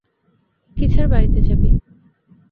কিছার বাড়িতে যাবে?